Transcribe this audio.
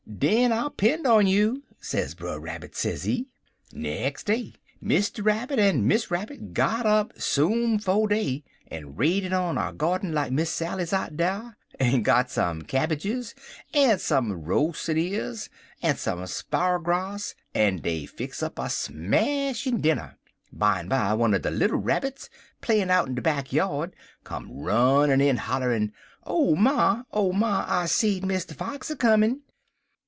"'Den I'll 'pen' on you,' sez Brer Rabbit, sezee. "Nex' day, Mr. Rabbit an' Miss Rabbit got up soom, 'fo' day, en raided on a gyarden like Miss Sally's out dar, en got some cabbiges, en some roas'n years, en some sparrer grass, en dey fix up a smashin' dinner. Bimeby one er de little Rabbits, playin' out in de back yard, come runnin' in hollerin', 'Oh, ma! oh, ma! I seed Mr. Fox a comin'!'